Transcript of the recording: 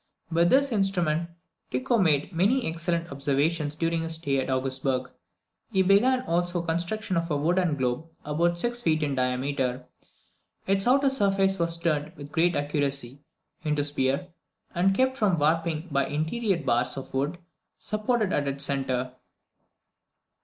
With this instrument Tycho made many excellent observations during his stay at Augsburg. He began also the construction of a wooden globe about six feet in diameter. Its outer surface was turned with great accuracy into a sphere, and kept from warping by interior bars of wood supported at its centre.